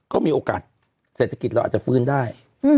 ก็มีโอกาสเศรษฐกิจเราอาจจะฟื้นได้